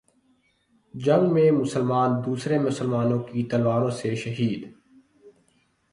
جنگ میں مسلمان دوسرے مسلمانوں کی تلواروں سے شہید